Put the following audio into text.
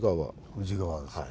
宇治川ですね。